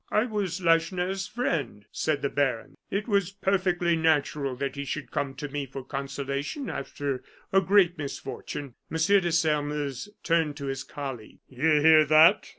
"I was Lacheneur's friend," said the baron; "it was perfectly natural that he should come to me for consolation after a great misfortune." M. de Sairmeuse turned to his colleague. "You hear that!"